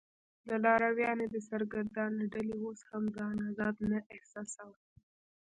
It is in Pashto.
د لارویانو دې سرګردانه ډلې اوس هم ځان آزاد نه احساساوه.